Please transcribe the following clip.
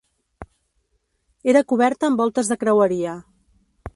Era coberta amb voltes de creueria.